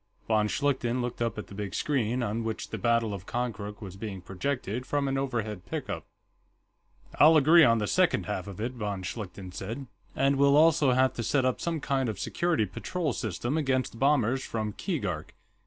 Von Schlichten looked up at the big screen, on which the battle of Konkrook was being projected from an overhead pickup. "I'll agree on the second half of it," von Schlichten said. "And we'll also have to set up some kind of security patrol system against bombers from Keegark.